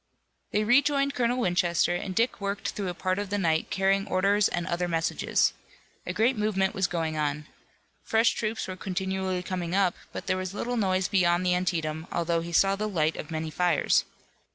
They rejoined Colonel Winchester, and Dick worked through a part of the night carrying orders and other messages. A great movement was going on. Fresh troops were continually coming up, but there was little noise beyond the Antietam, although he saw the light of many fires.